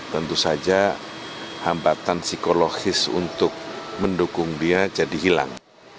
tentu saja hambatan psikologis untuk mendukung dia jadi hilang